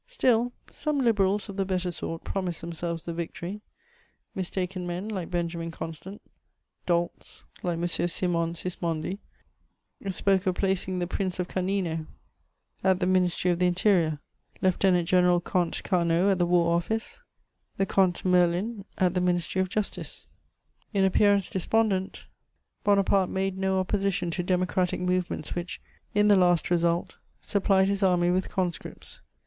Still, some Liberals of the better sort promised themselves the victory: mistaken men, like Benjamin Constant, dolts, like M. Simonde Sismondi, spoke of placing the Prince of Canino at the Ministry of the Interior, Lieutenant general Comte Carnot at the War Office, the Comte Merlin at the Ministry of Justice. In appearance despondent, Bonaparte made no opposition to democratic movements which, in the last result, supplied his army with conscripts.